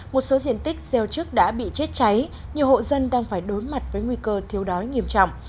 một số diện tích gieo trước đã bị chết cháy nhiều hộ dân đang phải đối mặt với nguy cơ thiếu đói nghiêm trọng